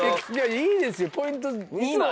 いいですよポイント。